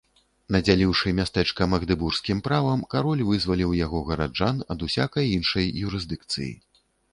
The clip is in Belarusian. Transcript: Надзяліўшы мястэчка магдэбургскім правам, кароль вызваліў яго гараджан ад усякай іншай юрысдыкцыі.